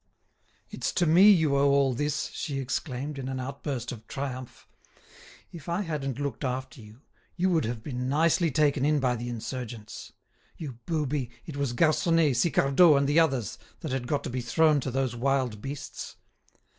"It's to me you owe all this!" she exclaimed, in an outburst of triumph. "If I hadn't looked after you, you would have been nicely taken in by the insurgents. You booby, it was Garconnet, Sicardot, and the others, that had got to be thrown to those wild beasts."